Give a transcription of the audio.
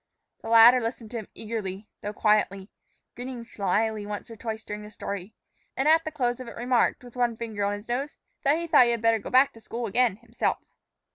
The latter listened to him eagerly, though quietly, grinned slyly once or twice during the story, and at the close of it remarked, with his finger on his nose, that he thought he had better go back to school again himself.